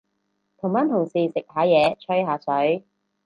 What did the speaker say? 同班同事食下嘢，吹下水